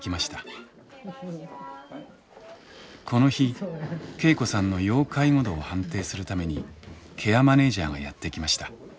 この日恵子さんの要介護度を判定するためにケアマネージャーがやって来ました。